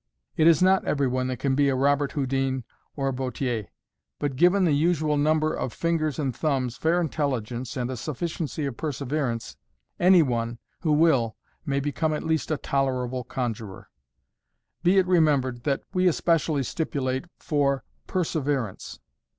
*' It is not every one that can be a Robert Houdin or a Buatier, but, given the usual number of fingers and thumbs, fair intelligence, and a sufficiency of perseverance, any one who wiU may become at least a tolerable conjuror. Be it remembered, that we especially stipulate for perseverance.